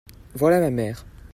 Voilà ma mère.